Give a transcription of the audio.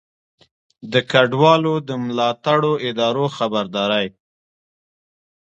د کډوالو د ملاتړو ادارو خبرداری